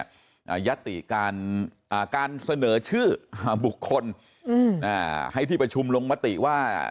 อ่ายัตติการอ่าการเสนอชื่ออ่าบุคคลอืมอ่าให้ที่ประชุมลงมติว่า